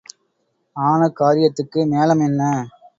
ஆன காரியத்துக்கு மேளம் என்ன?